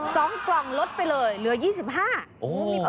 สองกร่องลดไปเลยเหลือ๒๕บาท